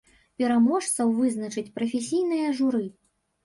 Пераможцаў вызначыць прафесійнае журы.